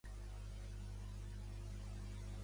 No obstant això, queda un model per a molts bons escriptors.